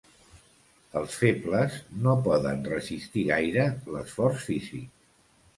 Els febles no poden resistir gaire l'esforç físic.